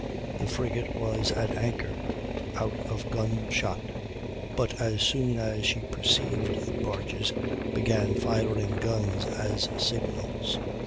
The frigate was at anchor out of gunshot, but as soon as she perceived the barges began firing guns as signals.